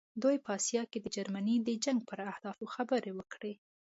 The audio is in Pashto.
دوی په آسیا کې د جرمني د جنګ پر اهدافو خبرې وکړې.